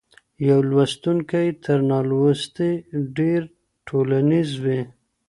يو لوستونکی تر نالوستي ډېر ټولنيز وي.